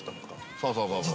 ◆そうそうそうそう。